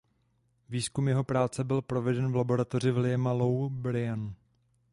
Výzkum jeho práce byl proveden v laboratoři Williama Lowe Bryan.